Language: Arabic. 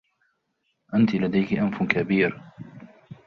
أنتِ لديكِ أنف كبير.